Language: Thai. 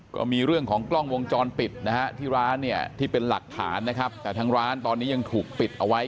ก็มีเรื่องของกล้องวงจรปิดนะฮะที่ร้านเนี่ยที่เป็นหลักฐานนะครับแต่ทางร้านตอนนี้ยังถูกปิดเอาไว้